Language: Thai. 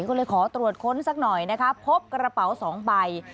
ก็เลยขอตรวจค้นสักหน่อยนะคะพบกระเป๋า๒ใบ